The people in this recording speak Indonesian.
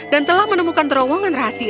dan telah menemukan terowongan rahasia